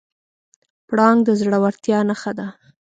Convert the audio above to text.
پړانګ د زړورتیا نښه ده.